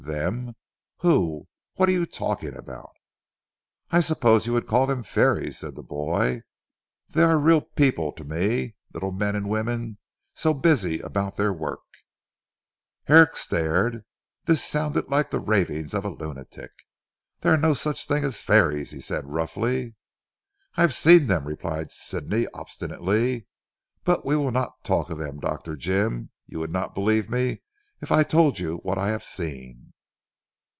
"Them? Who? What are you talking about?" "I suppose you would call them fairies," said the boy, "they are real people to me. Little men and women, so busy about their work." Herrick stared. This sounded like the ravings of a lunatic. "There are no such things as fairies," he said roughly. "I have seen them," replied Sidney obstinately, "but we will not talk of them Dr. Jim. You would not believe me if I told you what I have seen."